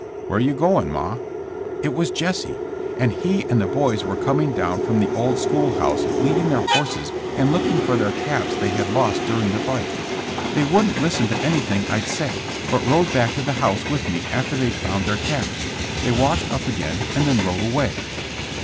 " 'Where are you going, ma?' "It was Jesse, and he and the boys were coming down from the old school house leading their horses and looking for their caps they had lost during the fight. They wouldn't listen to anything I'd say, but rode back to the house with me after they'd found their caps. They washed up again and then rode away.